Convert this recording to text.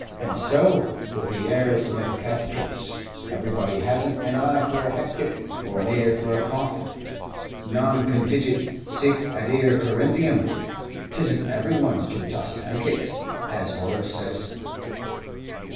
And so with the ars medicatrix everybody has n't an eye for a hectic, or an ear for a cough non contigit cuique adire Corintheum. 'T is n't every one can toss pancakes, as Horace says."